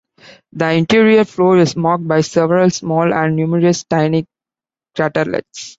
The interior floor is marked by several small and numerous tiny craterlets.